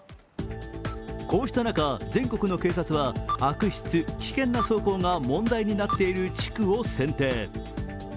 こうした中、全国の警察は悪質・危険な走行が問題になっている地区を選定。